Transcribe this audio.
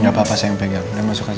gak apa apa sayang pegang udah masuk aja